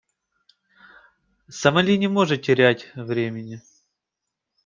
Сомали не может терять времени.